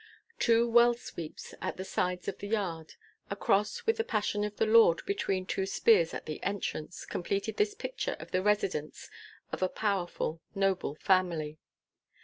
Two well sweeps at the sides of the yard, a cross with the Passion of the Lord between two spears at the entrance, completed this picture of the residence of a powerful, noble family.